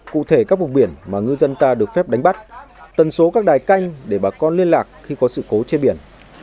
cụ thể các vùng biển mà ngư dân ta được phép đánh bắt tần số các đài canh để bà con liên lạc khi có sự cố trên biển